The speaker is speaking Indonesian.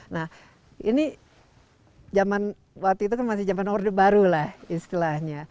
nah ini jaman waktu itu masih jaman order baru lah istilahnya